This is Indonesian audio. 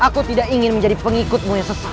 aku tidak ingin menjadi pengikutmu yang sesak